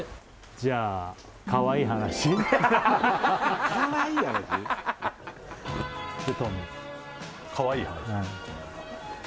じゃあトミーかわいい話？